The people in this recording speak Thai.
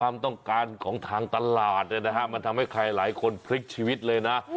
ความต้องการของทางตลาดเนี่ยนะฮะมันทำให้ใครหลายคนพลิกชีวิตเลยนะ